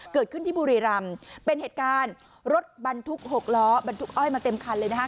เกิดขึ้นที่บุรีรำเป็นเหตุการณ์รถบรรทุก๖ล้อบรรทุกอ้อยมาเต็มคันเลยนะคะ